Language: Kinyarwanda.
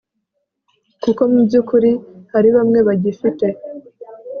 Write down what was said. kuko mu by'ukuri hari bamwe bagifite